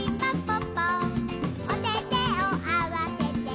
ぽっぽおててをあわせて」